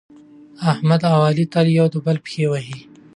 احمد او علي تل یو د بل پښې وهي.